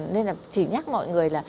nên là chỉ nhắc mọi người là